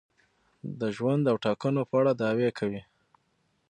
د ژوند او ټاکنو په اړه دعوې کوي.